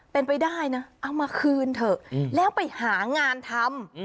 เป็นไปได้นะเอามาคืนเถอะแล้วไปหางานทำ